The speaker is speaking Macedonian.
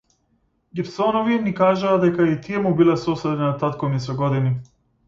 Гибсонови ми кажаа дека и тие му биле соседи на татко ми со години.